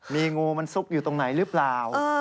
มีงูมันซุกอยู่ตรงไหนหรือเปล่า